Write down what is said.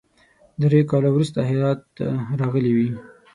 درې کاله وروسته هرات راغلی وي.